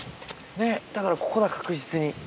ねっだからここだ確実に。